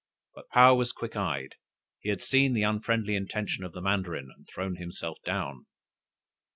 But Paou was quick eyed. He had seen the unfriendly intention of the mandarin, and thrown himself down.